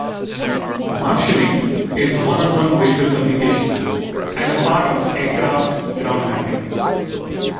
Marshalling is one-on-one visual communication and a part of aircraft ground handling.